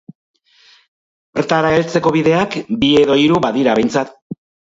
Bertara heltzeko bideak, bi edo hiru badira behintzat.